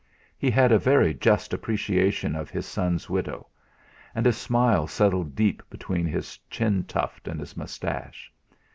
He had a very just appreciation of his son's widow; and a smile settled deep between his chin tuft and his moustache.